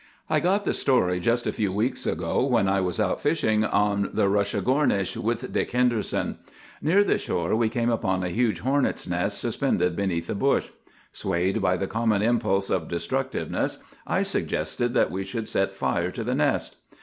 "I got the story just a few weeks ago, when I was out fishing on the Rushagornish with Dick Henderson. Near the shore we came upon a huge hornets' nest suspended beneath a bush. Swayed by the common impulse of destructiveness, I suggested that we should set fire to the nest.